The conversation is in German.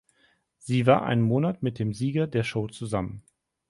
Sie war einen Monat mit dem Sieger der Show zusammen.